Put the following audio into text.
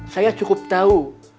saya cukup tahu